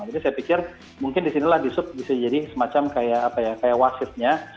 jadi saya pikir mungkin di sinilah disuruh bisa jadi semacam kayak wasifnya